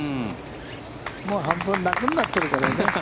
もう半分、楽になってるからね。